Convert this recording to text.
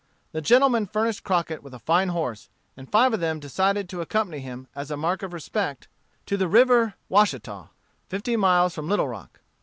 The gentlemen furnished Crockett with a fine horse, and five of them decided to accompany him, as a mark of respect, to the River Washita, fifty miles from Little Rock.